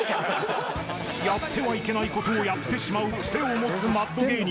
やってはいけない事をやってしまう癖を持つマッド芸人